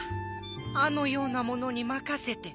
あのような者に任せて。